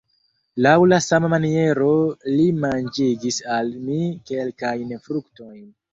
Laŭ la sama maniero li manĝigis al mi kelkajn fruktojn.